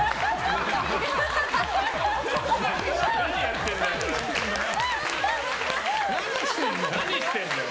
何やってんだよ。